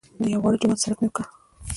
د یوه واړه جومات څرک مې وکړ.